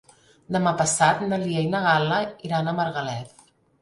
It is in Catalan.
Demà passat na Lia i na Gal·la iran a Margalef.